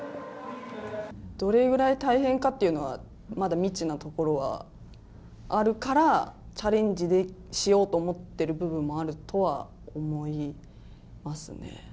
どれぐらい大変かっていうのは、まだ未知なところはあるから、チャレンジしようと思ってる部分もあるとは思いますね。